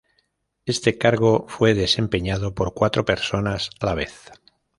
Este cargo fue desempeñado por cuatro personas a la vez.